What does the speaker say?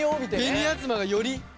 紅あずまがより。